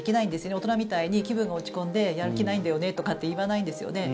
大人みたいに気分が落ち込んでやる気ないんだよねとかって言わないんですよね。